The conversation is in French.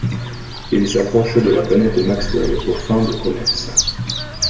Il s'approche de la planète Maxwell, aux fins de commerce.